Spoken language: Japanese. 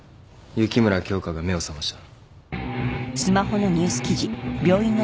雪村京花が目を覚ました。